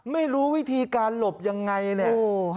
ไม่รู้วิธีการหลบยังไงเนี่ย